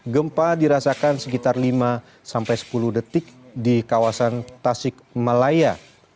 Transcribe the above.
gempa dirasakan sekitar lima sampai sepuluh detik di kawasan tasik malaya